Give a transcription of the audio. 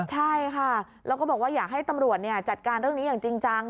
ใช่ค่ะแล้วก็บอกว่าอยากให้ตำรวจจัดการเรื่องนี้อย่างจริงจัง